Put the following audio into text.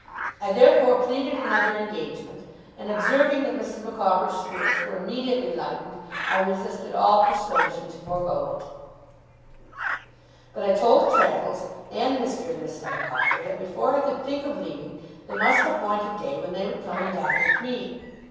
I therefore pleaded another engagement; and observing that Mrs. Micawber's spirits were immediately lightened, I resisted all persuasion to forego it. But I told Traddles, and Mr. and Mrs. Micawber, that before I could think of leaving, they must appoint a day when they would come and dine with me.